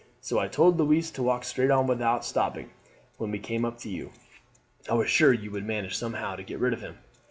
So I told Louise to walk straight on without stopping when we came up to you. I was sure you would manage somehow to get rid of him."